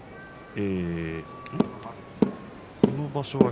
この場所は。